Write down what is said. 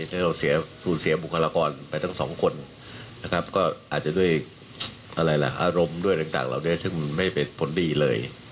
ถ้าเราสูญเสียบุคลากรไปถึงสองคนก็อาจจะด้วยอารมณ์ด้วยต่างจากเหล่านี้ซึ่งไม่เป็นผลดีเลย